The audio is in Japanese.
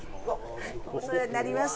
お世話になります。